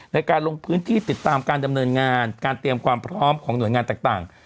ในการลงพื้นที่ติดตามการดำเนินงานการเตรียมความพร้อมของหน่วยงานต่าง